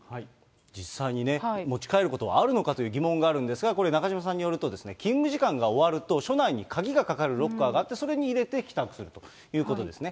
実際にね、持ち帰ることはあるのかという疑問があるんですが、これ、中島さんによると、勤務時間が終わると署内に鍵がかかるロッカーがあって、それに入れて帰宅するということですね。